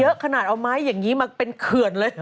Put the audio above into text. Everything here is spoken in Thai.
เยอะขนาดเอาไม้อย่างนี้มาเป็นเขื่อนเลย